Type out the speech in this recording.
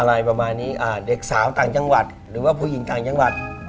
อะไรประมาณนี้อ่าเด็กสาวต่างจังหวัดหรือว่าผู้หญิงต่างจังหวัด